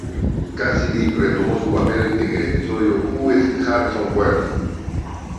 Cassidy retomó su papel en el episodio Who is Harrison Wells?